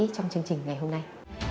trong chương trình ngày hôm nay